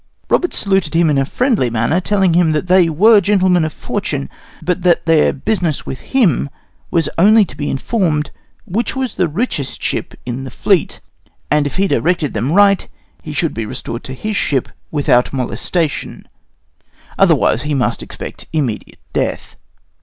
Roberts saluted him after a friendly manner telling him that they were gentlemen of fortune, but that their business with him was only to be informed which was the richest ship in that fleet; and if he directed them right he should be restored to his ship without molestation, otherwise he must expect immediate death.